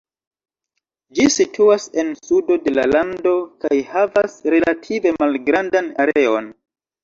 Ĝi situas en sudo de la lando kaj havas relative malgrandan areon.